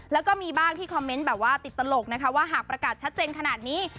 แล้วก็มีบ้างที่คอมเมนต์แบบว่าติดตลกนะคะว่าหากประกาศชัดเจนขนาดนี้